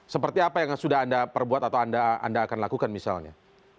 seperti apa yang sudah anda perbuat atau anda akan lakukan misalnya